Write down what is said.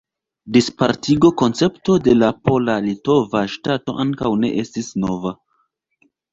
Dispartigo-koncepto de la pola-litova ŝtato ankaŭ ne estis nova.